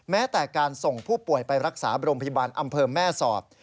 แม้แต่การส่งผู้ป่วยไปรักษาโรงพยาบาลอำเภอแม่สอด